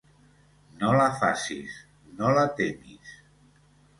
No la facis, no la temis.